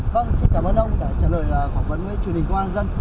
vâng xin cảm ơn ông đã trả lời phỏng vấn với truyền hình công an dân